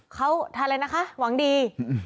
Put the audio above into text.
เขาทานอะไรนะคะหวังดี